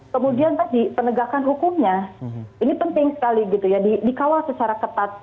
kemudian tadi penegakan hukumnya ini penting sekali gitu ya dikawal secara ketat